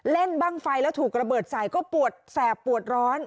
เล่นบ้างไฟแล้วถูกระเบิดใส่ก็ปวดแสบปวดร้อน